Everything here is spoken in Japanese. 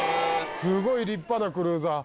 すごい立派なクルーザー。